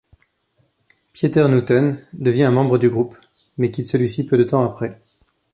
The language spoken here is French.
Pieter Nooten devient un membre du groupe, mais quitte celui-ci peu de temps après.